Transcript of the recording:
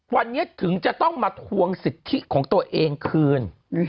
วันนี้ถึงจะต้องมาทวงสิทธิของตัวเองคืน